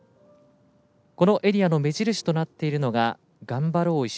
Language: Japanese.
このエリアの目印となっているのが「がんばろう！